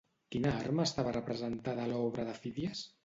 Quina arma estava representada a l'obra de Fídies?